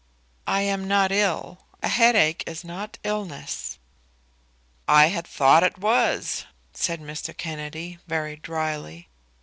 "I am not ill. A headache is not illness." "I had thought it was," said Mr. Kennedy, very drily.